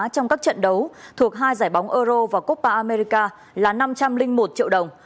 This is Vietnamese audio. trong các trận đấu thuộc hai giải bóng euro và coppa america là năm trăm linh một triệu đồng